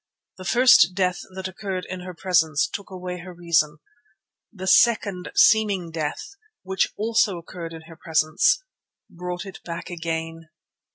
The first death that occurred in her presence took away her reason, the second seeming death, which also occurred in her presence, brought it back again!